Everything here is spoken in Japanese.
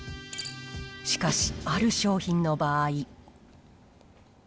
しかし、ある商品の場合。